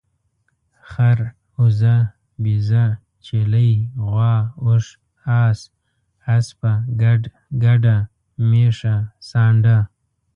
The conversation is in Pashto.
خر، اوزه، بيزه ، چيلۍ ، غوا، اوښ، اس، اسپه، ګډ، ګډه، ميښه، سانډه